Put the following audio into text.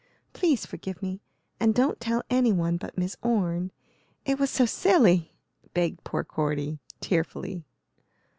Please forgive me, and don't tell any one but Miss Orne; it was so silly," begged poor Cordy, tearfully.